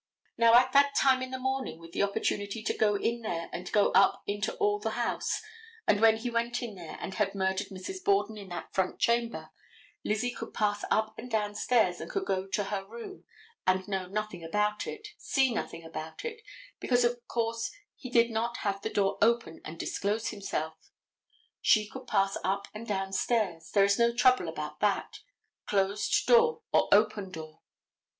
Now, at that time in the morning, with the opportunity to go in there and go up into all the house, and when he went in there and had murdered Mrs. Borden in that front chamber, Lizzie could pass up and down stairs, and could go to her room, and know nothing about it, see nothing about it, because of course he did not have the door open and disclose himself. She could pass up and down stairs. There is no trouble about that, closed door or open door.